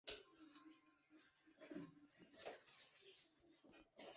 汉堡包是由两片面包夹肉饼而成。